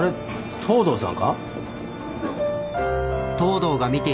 東堂さん。